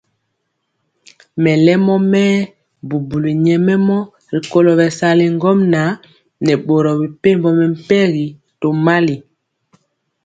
Melemɔ mɛɛ bubuli nyɛmemɔ rikolo bɛsali ŋgomnaŋ nɛ boro mepempɔ mɛmpegi tomali.